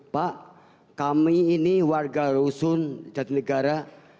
pak kami ini warga rusun jantung negara